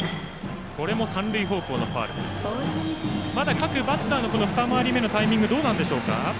各バッターの二回り目のタイミングはどうなんでしょうか。